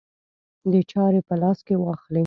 د چارې په لاس کې واخلي.